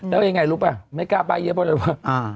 แล้วยังไงรู้ปะไม่กล้าใบเยอะบ้างเลยว่า